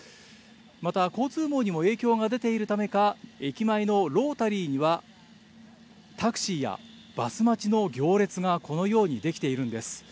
また交通網にも影響が出ているためか、駅前のロータリーには、タクシーやバス待ちの行列がこのように出来ているんです。